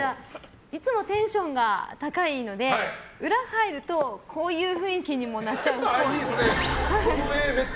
いつもテンションが高いので裏に入るとこういう雰囲気になっちゃう。